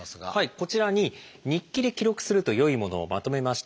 こちらに日記で記録するとよいものをまとめました。